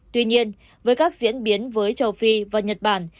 tuy nhiên với các diễn biến với châu phi và nhật bản